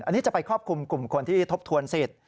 อันนี้จะไปครอบคลุมกลุ่มคนที่ทบทวนสิทธิ